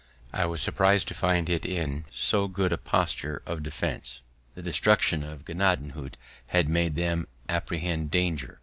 I was surprised to find it in so good a posture of defense; the destruction of Gnadenhut had made them apprehend danger.